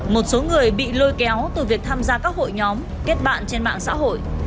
một số người bị lôi kéo từ việc tham gia các hội nhóm kết bạn trên mạng xã hội